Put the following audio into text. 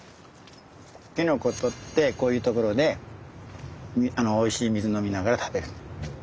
きのこ採ってこういうところでおいしい水飲みながら食べる。